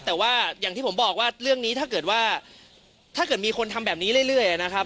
แต่ว่าอย่างที่ผมบอกว่าเรื่องนี้ถ้าเกิดว่าถ้าเกิดมีคนทำแบบนี้เรื่อยนะครับ